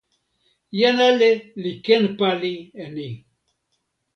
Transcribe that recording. jan ale li ken pali e ni.